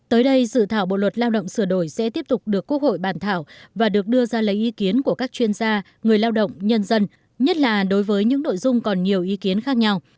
tới đây dự thảo bộ luật lao động sửa đổi sẽ tiếp tục được quốc hội bàn thảo và được đưa ra lấy ý kiến của các chuyên gia người lao động nhân dân nhất là đối với những nội dung còn nhiều ý kiến khác nhau